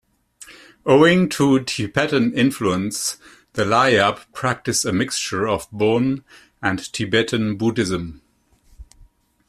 Owing to Tibetan influence, the Layap practice a mixture of Bon and Tibetan Buddhism.